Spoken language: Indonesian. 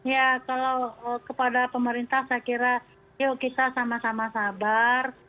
ya kalau kepada pemerintah saya kira yuk kita sama sama sabar